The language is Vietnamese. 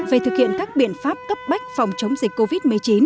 về thực hiện các biện pháp cấp bách phòng chống dịch covid một mươi chín